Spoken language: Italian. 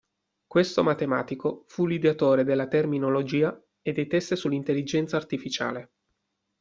Questo matematico fu l'ideatore della terminologia e dei test sull'Intelligenza Artificiale.